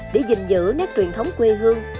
để dình dữ nét truyền thống quê hương